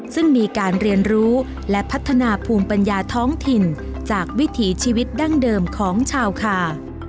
ซึ่งมีการเรียนรู้และพัฒนาภูมิปัญญาท้องถิ่นจากวิถีชีวิตดั้งเดิมของชาวคา